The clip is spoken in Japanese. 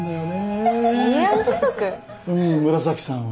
うん紫さんは。